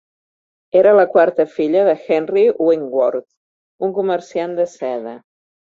Era la quarta filla de Henry Winkworth, un comerciant de seda.